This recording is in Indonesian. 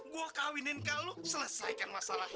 gue kawinin ke lu selesaikan masalah